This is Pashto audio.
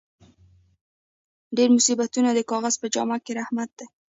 ډېر مصیبتونه د عذاب په جامه کښي رحمت يي.